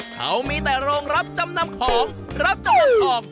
เขามีแต่โรงรับจำนำของรับจำนำออก